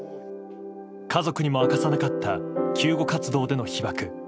家族にも明かさなかった救護活動での被ばく。